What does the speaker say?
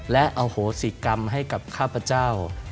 และอโหสิกรรมให้กับข้าพเจ้า